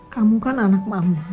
kamu kan anak mama